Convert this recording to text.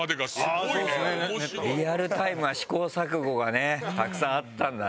リアルタイムは試行錯誤がねたくさんあったんだね。